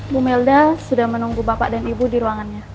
bumelda sudah menunggu bapak dan ibu di ruangannya